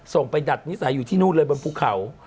ส่งไปดัดนิสัยอยู่ที่นู่นเลยบนภูเขา